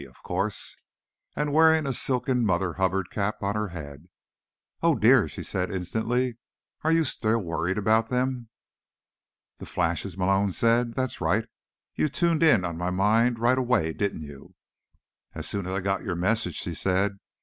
of course), and wearing a silken Mother Hubbard cap on her head. "Oh, dear," she said instantly. "Are you still worried about them?" "The flashes?" Malone said. "That's right. You tuned in on my mind right away, didn't you?" "As soon as I got your message," she said.